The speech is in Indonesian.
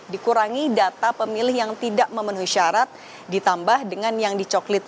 dikurangi data pemilih yang tidak memenuhi syarat ditambah dengan yang dicoklit